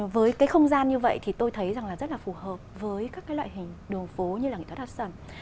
với cái không gian như vậy thì tôi thấy rằng là rất là phù hợp với các cái loại hình đường phố như là nghệ thuật hát sầm